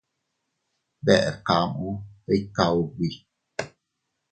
Deʼr kamu, ikka ubi.